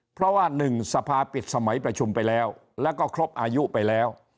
เพราะว่า๑สภาปิดสมัยประชุมไปแล้วแล้วก็ครบอายุไปแล้ว